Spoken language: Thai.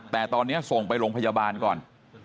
แต่ตอนนี้ส่งไปโรงพยาบาลก่อน